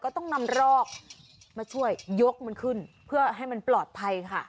ต้องนำรอกมาช่วยยกมันขึ้นเพื่อให้มันปลอดภัยค่ะ